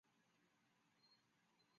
太平湖已彻底消失。